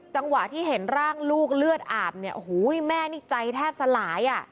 จังหวะที่เห็นร่างลูกเลือดอาบเนี่ยโอ้โหแม่นี่ใจแทบสลายอ่ะ